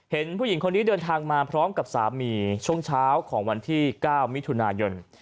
เห็นผู้หญิงคนนี้เดินทางมาพร้อมกับสามีช่วงเช้าของวันที่๙มิถุนายน